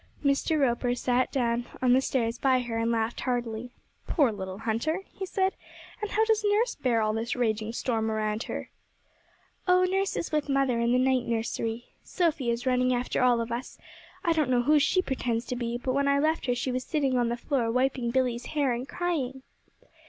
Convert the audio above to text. Mr. Roper sat down on the stairs by her and laughed heartily. 'Poor little hunter!' he said, 'and how does nurse bear all this raging storm around her?' 'Oh, nurse is with mother, in the night nursery. Sophy is running after all of us. I don't know who she pretends to be, but when I left her she was sitting on the floor wiping Billy's hair and crying.'